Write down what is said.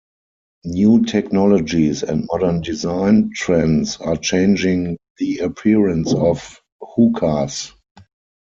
New technologies and modern design trends are changing the appearance of hookahs.